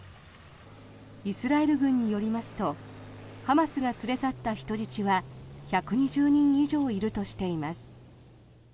イスラエル軍によりますとハマスが連れ去った人質は１２０人以上いるとしています。